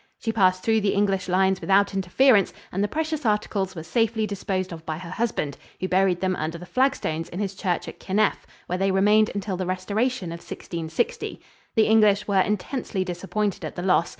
She passed through the English lines without interference, and the precious articles were safely disposed of by her husband, who buried them under the flagstones in his church at Kinneff, where they remained until the restoration of 1660. The English were intensely disappointed at the loss.